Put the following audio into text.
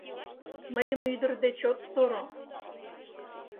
Мыйым ӱдыр деч от торо!